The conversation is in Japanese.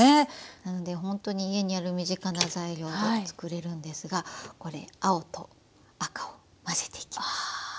なのでほんとに家にある身近な材料で作れるんですがこれ青と赤を混ぜていきます。